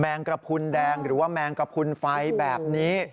งกระพุนแดงหรือว่าแมงกระพุนไฟแบบนี้